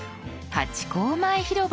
ハチ公前広場。